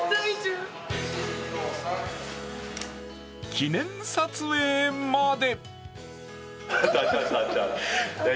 記念撮影まで。